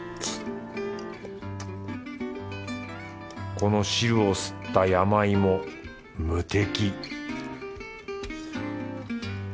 この汁を吸った山芋無敵